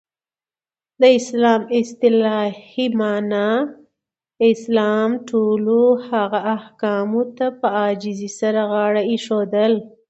د اسلام اصطلاحی معنا : اسلام ټولو هغه احکامو ته په عاجزی سره غاړه ایښودل.